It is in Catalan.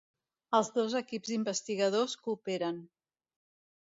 Els dos equips d'investigadors cooperen.